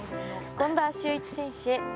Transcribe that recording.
権田修一選手へ。